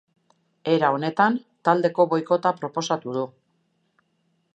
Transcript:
Era honetan, taldeko boikota proposatu du.